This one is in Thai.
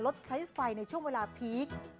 ลดใช้ไฟในช่วงเวลาพีค